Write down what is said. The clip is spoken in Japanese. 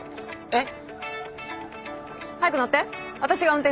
えっ！？